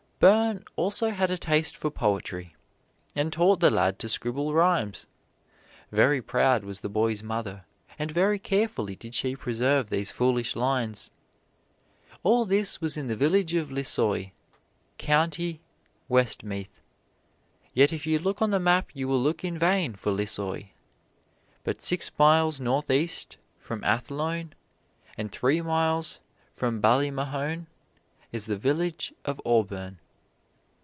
Byrne also had a taste for poetry, and taught the lad to scribble rhymes. Very proud was the boy's mother, and very carefully did she preserve these foolish lines. All this was in the village of Lissoy, County Westmeath; yet if you look on the map you will look in vain for Lissoy. But six miles northeast from Athlone and three miles from Ballymahon is the village of Auburn.